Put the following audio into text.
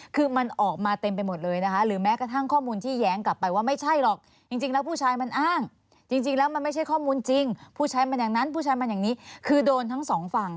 คือมันออกมาเต็มไปหมดเลยนะคะ